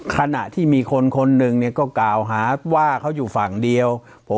ขณะที่มีคนคนหนึ่งก็กล่าวหาว่าเขาอยู่ฝั่งเดียว